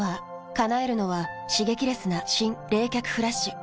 叶えるのは刺激レスな新・冷却フラッシュ。